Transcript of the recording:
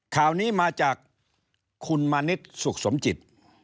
ข่าวนี้มาจากคุณมณิษฐ์สุขสมจิต